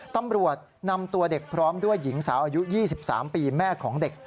ตำรวจนำตัวเด็กพร้อมด้วยหญิงสาวอายุ๒๓ปีแม่ของเด็ก